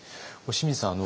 清水さん